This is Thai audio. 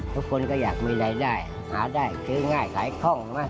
ทุกคนก็อยากมีรายได้หาได้คือยังง่ายทายข้อง